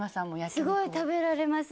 すごい食べられます。